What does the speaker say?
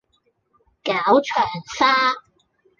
絞腸痧